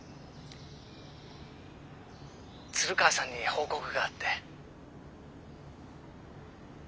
鶴川さんに報告があって。